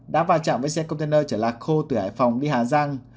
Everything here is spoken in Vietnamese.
đã vào chạm với xe container chở lạc khô từ hải phòng đi hà giang